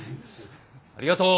ありがとう。